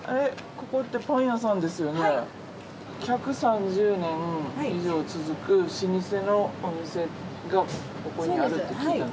１３０年以上続く老舗のお店がここにあるって聞いたん。